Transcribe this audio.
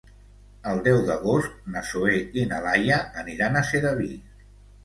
El deu d'agost na Zoè i na Laia aniran a Sedaví.